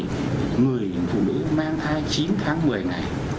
người phụ nữ mang thai chín tháng một mươi này